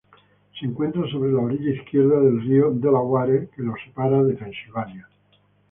Se encuentra sobre la orilla izquierda del río Delaware que la separa de Pensilvania.